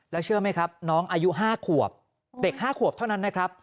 เชื่อไหมครับน้องอายุ๕ขวบเด็ก๕ขวบเท่านั้นนะครับ